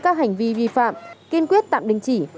các hành vi vi phạm kiên quyết tạm đình chỉ